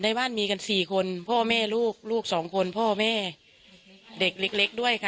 บ้านมีกันสี่คนพ่อแม่ลูกลูกสองคนพ่อแม่เด็กเล็กด้วยค่ะ